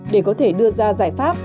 để có thể đưa ra giải pháp